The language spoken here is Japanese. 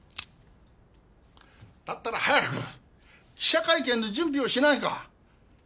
だったら早く記者会見の準備をしないか。